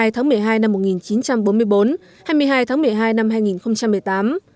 hai mươi tháng một mươi hai năm một nghìn chín trăm bốn mươi bốn hai mươi hai tháng một mươi hai năm hai nghìn một mươi tám